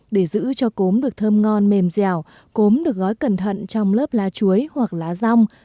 để giữ cho cốm được thơm ngon mềm dẻo cốm được gói cẩn thận trong lớp lá chuối hoặc lá rong